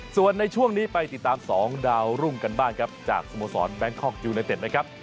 ส่วนในช่วงนี้ไปติดตาม๒ดาวรุ่งกันบ้างครับจากสโมสรแบงคอกยูเนเต็ดนะครับ